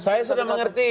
saya sudah mengerti